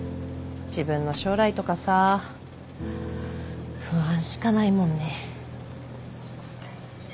自分の将来とかさ不安しかないもんね。